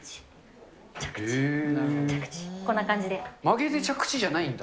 曲げて着地じゃないんだ。